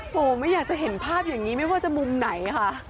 ไม่อยากจะเห็นภาพอย่างนี้ไม่ว่าจะมุมไหนค่ะ